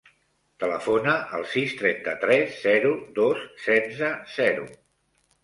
Telefona al sis, trenta-tres, zero, dos, setze, zero.